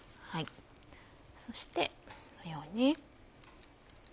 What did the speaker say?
そしてこのように。